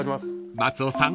［松尾さん